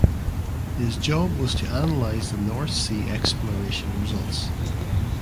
His job was to analyse the North Sea exploration results.